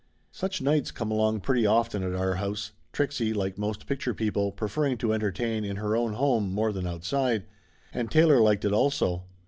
Such nights come along pretty often at our house, Trixie, like most picture people, preferring to entertain in her own home more than outside; and Taylor liked it, also.